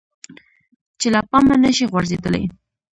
چې له پامه نشي غورځیدلی.